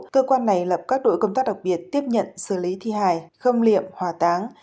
cơ quan này lập các đội công tác đặc biệt tiếp nhận xử lý thi hài khơ liệm hòa táng